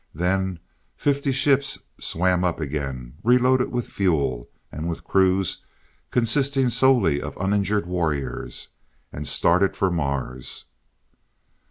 Then, fifty ships swam up again, reloaded with fuel, and with crews consisting solely of uninjured warriors, and started for Mars.